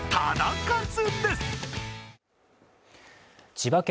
千葉県